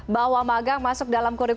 bahwa magang masuk dalam kuriku